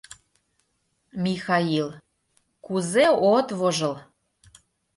— Михаил, кузе от вожыл!